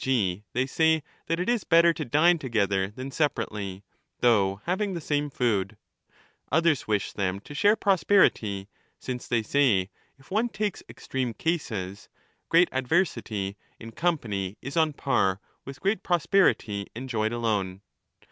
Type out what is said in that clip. g. they say that it is better to dine together than separately, though having the same food : others wish them to share prosperity,^ since (they say) if^ one takes extreme cases, great adversity in company is on a par * with 10 great prosperity enjoyed alone.